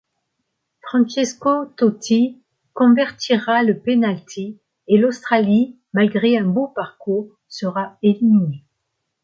Francesco Totti convertira le penalty et l'Australie, malgré un beau parcours, sera éliminée.